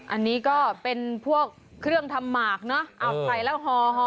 อันนี้ก็เป็นพวกเครื่องทำหมากเนอะเอาใส่แล้วห่อ